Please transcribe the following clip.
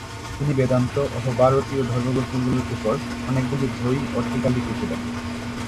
তিনি বেদান্ত ও ভারতীয় ধর্মগ্রন্থগুলির উপর অনেকগুলি বই ও টীকা লিখেছিলেন।